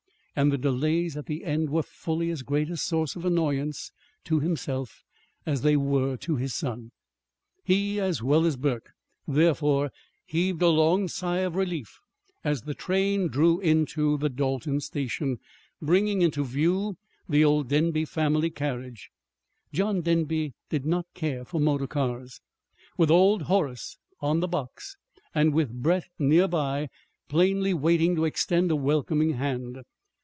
And the delays at the end were fully as great a source of annoyance to himself, as they were to his son. He, as well as Burke, therefore, heaved a long sigh of relief as the train drew into the Dalton station, bringing into view the old Denby family carriage (John Denby did not care for motor cars), with old Horace on the box, and with Brett near by, plainly waiting to extend a welcoming hand.